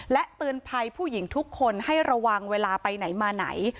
และเตือนภัยผู้หญิงทุกคนให้ระวังเวลาไปไหนมาไหน